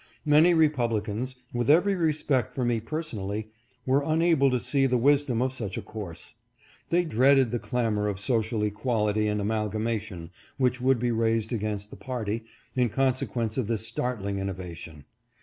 Many Republicans, with every respect for me personally, were unable to see the wisdom of such a course. They dreaded the clamor of social equality and amalgamation which would be raised against the party, in consequence of this startling innovation.